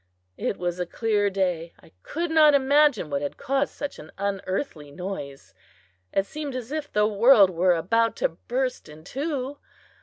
It was a clear day; I could not imagine what had caused such an unearthly noise. It seemed as if the world were about to burst in two!